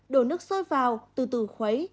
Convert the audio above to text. đổ nước sôi vào từ từ khuấy